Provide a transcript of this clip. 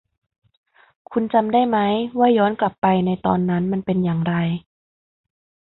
คุณจำได้มั้ยว่าย้อนกลับไปในตอนนั้นมันเป็นอย่างไร